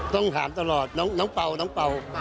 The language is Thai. ต้องถามตลอดน้องเป่าน้องเป่า